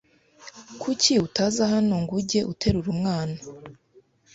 Kuki utaza hano ngujye uterura umwana?